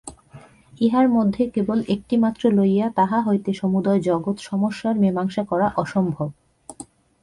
ইহার মধ্যে কেবল একটি মাত্র লইয়া তাহা হইতে সমুদয় জগৎ-সমস্যার মীমাংসা করা অসম্ভব।